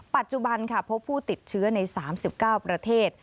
ปัจจุบันค่ะพบผู้ติดเชื้อใน๓๙ประเทศ